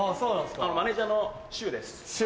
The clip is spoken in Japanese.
マネジャーのシュウです。